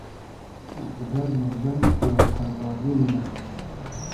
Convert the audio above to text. غئدئر نوربئن خییال پئردازی مونۂ